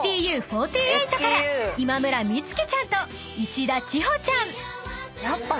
「ＳＴＵ４８」から今村美月ちゃんと石田千穂ちゃん］やっぱ。